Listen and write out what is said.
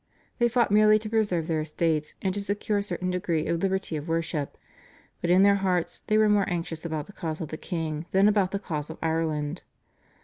They fought merely to preserve their estates and to secure a certain degree of liberty of worship, but in their hearts they were more anxious about the cause of the king than about the cause of Ireland.